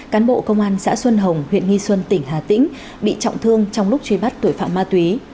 cán bộ công an xã xuân hồng huyện nghi xuân tỉnh hà tĩnh bị trọng thương trong lúc truy bắt tội phạm ma túy